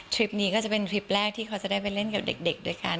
คลิปนี้ก็จะเป็นทริปแรกที่เขาจะได้ไปเล่นกับเด็กด้วยกัน